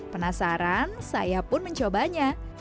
penasaran saya pun mencobanya